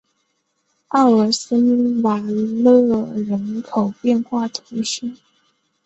奥尔森瓦勒人口变化图示